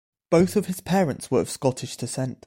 Both of his parents were of Scottish descent.